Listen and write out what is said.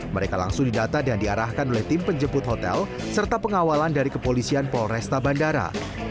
mereka langsung didata dan diarahkan oleh tim penjemput hotel serta pengawalan dari kepolisian polresta bandara